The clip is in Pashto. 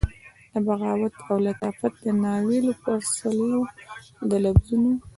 د بغاوت او لطافت د ناویلو پسرلیو د لفظونو،